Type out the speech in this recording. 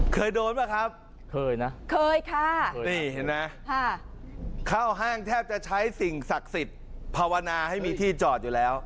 เคยโดนป่ะครับเคยนะเคยค่ะเคยนี่เห็นไหมเข้าห้างแทบจะใช้สิ่งศักดิ์สิทธิ์ภาวนาให้มีที่จอดอยู่แล้ว